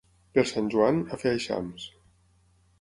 Per Sant Joan, a fer eixams.